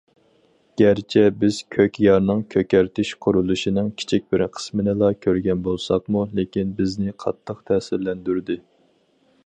گەرچە بىز كۆكيارنىڭ كۆكەرتىش قۇرۇلۇشىنىڭ كىچىك بىر قىسمىنىلا كۆرگەن بولساقمۇ، لېكىن بىزنى قاتتىق تەسىرلەندۈردى.